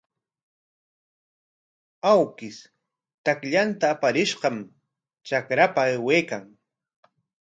Awkish takllanta aparishqam trakrapa aywaykan.